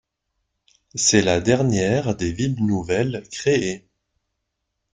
C'est la dernière des villes nouvelles créées.